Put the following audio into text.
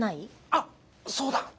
あっそうだ。